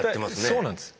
そうなんです。